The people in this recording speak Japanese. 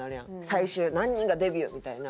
最終何人がデビューみたいな。